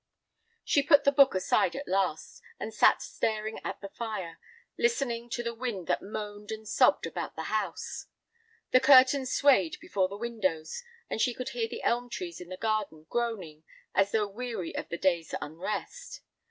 She put the book aside at last, and sat staring at the fire, listening to the wind that moaned and sobbed about the house. The curtains swayed before the windows, and she could hear the elm trees in the garden groaning as though weary of the day's unrest.